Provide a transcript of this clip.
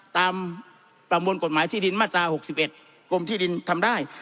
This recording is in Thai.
ตามประมวลกฎหมายที่ดินมาตรา๖๑กรมที่ดินทำได้